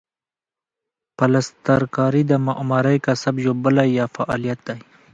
پلسترکاري د معمارۍ کسب یوه بله یا فعالیت دی.